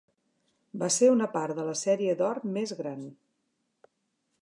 Va ser una part de la sèrie d'or més gran.